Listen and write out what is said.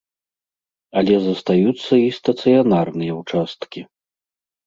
Але застаюцца і стацыянарныя ўчасткі.